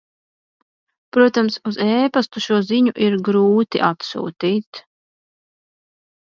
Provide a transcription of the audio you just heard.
Protams, uz e-pastu šo ziņu ir grūti atsūtīt...